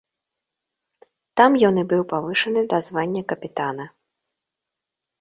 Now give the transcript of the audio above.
Там ён і быў павышаны да звання капітана.